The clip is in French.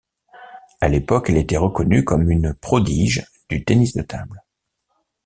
À l'époque, elle était reconnue comme une prodige du tennis de table.